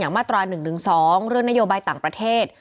มาตรา๑๑๒เรื่องนโยบายต่างประเทศ